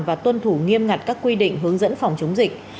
và tuân thủ nghiêm ngặt các quy định hướng dẫn phòng chống dịch